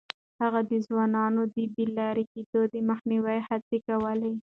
هغه د ځوانانو د بې لارې کېدو د مخنيوي هڅې کولې.